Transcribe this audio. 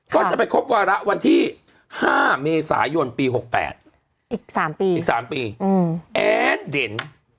ก็จะไปครบวาระวันที่๕เมษายนปี๖๘อีก๓ปีอีก๓ปีแอดเด่น